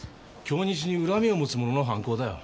京日に恨みを持つ者の犯行だよ。